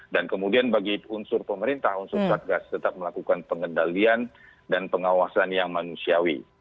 kemudian bagi unsur pemerintah unsur satgas tetap melakukan pengendalian dan pengawasan yang manusiawi